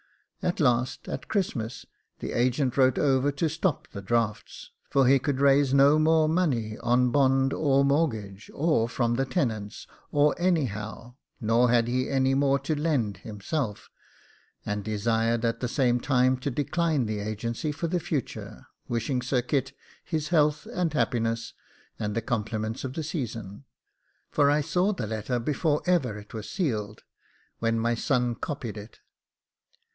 At last, at Christmas, the agent wrote over to stop the drafts, for he could raise no more money on bond or mortgage, or from the tenants, or anyhow, nor had he any more to lend himself, and desired at the same time to decline the agency for the future, wishing Sir Kit his health and happiness, and the compliments of the season, for I saw the letter before ever it was sealed, when my son copied it.